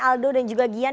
aldo dan juga gian